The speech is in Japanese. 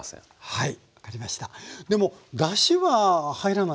はい。